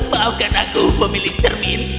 maafkan aku pemilik cermin